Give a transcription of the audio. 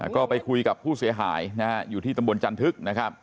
ก็ไปคุยกับผู้เสียหายอยู่ที่ตำบลจันทึก